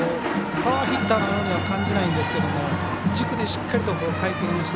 パワーヒッターのようには感じないんですけど軸でしっかりと回転して。